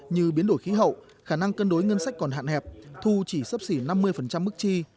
như biến đổi khí hậu khả năng cân đối ngân sách còn hạn hẹp thu chỉ sấp xỉ năm mươi mức chi